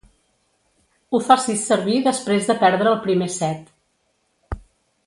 Ho facis servir després de perdre el primer set.